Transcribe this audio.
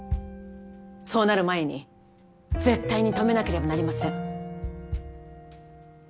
そうなる前に絶対に止めなければなりません。